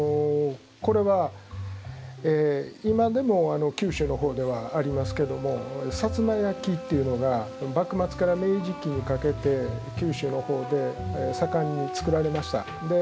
これは今でも九州のほうではありますけども薩摩焼っていうのが幕末から明治期にかけて九州のほうで盛んに作られました。